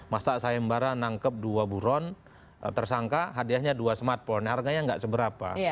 masa sayembara nangkep dua buron tersangka hadiahnya dua smartphone harganya nggak seberapa